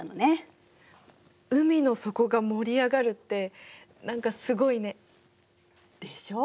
海の底が盛り上がるって何かすごいね。でしょう？